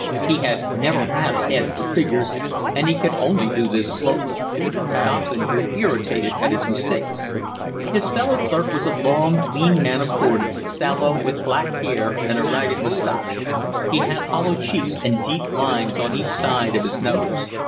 He had never had a head for figures, and he could only do this slowly. Thompson grew irritated at his mistakes. His fellow clerk was a long, lean man of forty, sallow, with black hair and a ragged moustache; he had hollow cheeks and deep lines on each side of his nose.